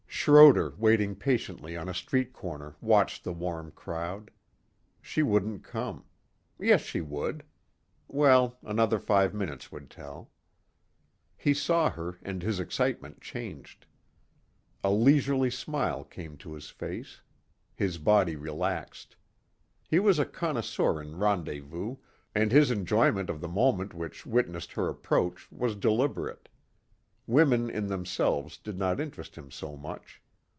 Schroder waiting patiently on a street corner watched the warm crowd. She wouldn't come. Yes, she would. Well, another five minutes would tell. He saw her and his excitement changed. A leisurely smile came to his face. His body relaxed. He was a connoisseur in rendezvous and his enjoyment of the moment which witnessed her approach was deliberate. Women in themselves did not interest him so much.